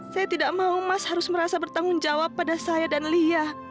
saya tidak mau mas harus merasa bertanggung jawab pada saya dan lia